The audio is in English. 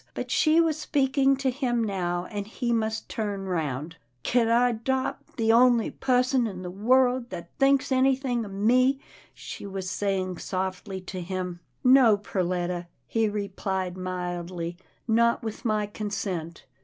But she was speaking to him now, and he must turn round. " Kin I 'dopt the only pusson in the world that thinks anythin' of me?" she was saying softly to him. "No, Perletta," he replied mildly, "not with my consent.